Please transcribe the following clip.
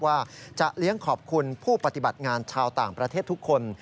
ว่าจะเลี้ยงขอบคุณผู้ปฏิบัติงานชาวต่างประเทศทุกคน